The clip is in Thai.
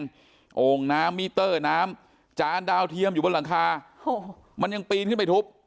โอ่งน้ำมิเตอร์น้ำจานดาวเทียมอยู่บนหลังคาโอ้โหมันยังปีนขึ้นไปทุบ